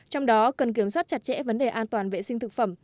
trong đó cần kiểm soát chặt chẽ vấn đề an toàn vệ sinh thực phẩm